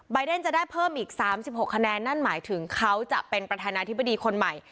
เดนจะได้เพิ่มอีก๓๖คะแนนนั่นหมายถึงเขาจะเป็นประธานาธิบดีคนใหม่